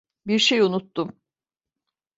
Bir şey unuttum.